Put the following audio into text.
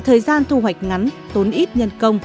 thời gian thu hoạch ngắn tốn ít nhân công